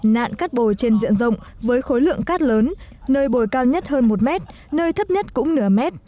nạn cát bồi trên diện rộng với khối lượng cát lớn nơi bồi cao nhất hơn một mét nơi thấp nhất cũng nửa mét